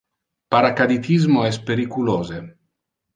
Paracaditismo es periculose.